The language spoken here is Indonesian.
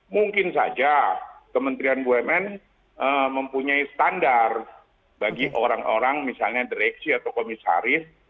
mungkin saja kementerian bumn mempunyai standar bagi orang orang misalnya direksi atau komisaris